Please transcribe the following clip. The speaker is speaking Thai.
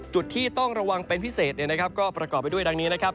จุดที่ต้องระวังเป็นพิเศษก็ประกอบไปด้วยดังนี้นะครับ